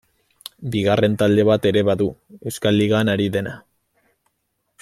Bigarren talde bat ere badu, Euskal Ligan ari dena.